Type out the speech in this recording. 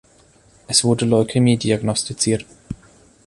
Es wurde Leukämie diagnostiziert.